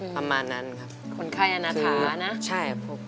ประมาณนั้นครับ